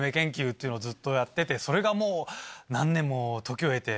っていうのをずっとやっててそれがもう何年も時を経て。